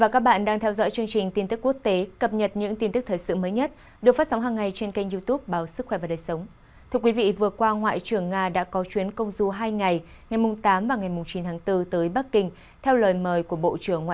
cảm ơn các bạn đã theo dõi và ủng hộ cho bản tin